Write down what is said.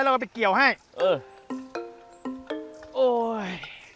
เอาไปเกี่ยวให้เออโอ้ย